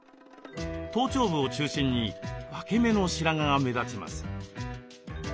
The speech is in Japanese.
頭頂部を中心に分け目の白髪が目立ちます。